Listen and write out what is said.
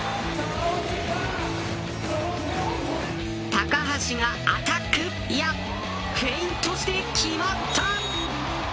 高橋がアタックいやフェイントして、決まった。